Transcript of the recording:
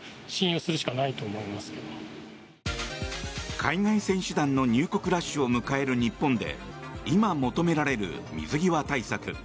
海外選手団の入国ラッシュを迎える日本で今、求められる水際対策。